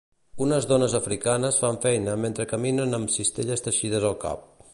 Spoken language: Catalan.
Unes dones africanes fan feina mentre caminen amb cistelles teixides al cap